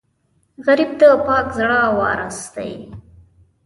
غریب د پاک زړه وارث وي